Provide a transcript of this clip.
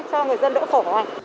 cho người dân đỡ khổ